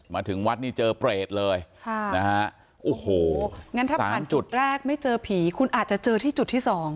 มาถึงวัดนี่เจอเปรตเลยโอ้โหงั้นถ้าผ่านจุดแรกไม่เจอผีคุณอาจจะเจอที่จุดที่๒